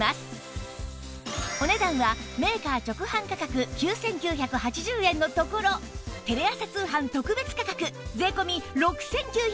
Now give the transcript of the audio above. お値段はメーカー直販価格９９８０円のところテレ朝通販特別価格税込６９８０円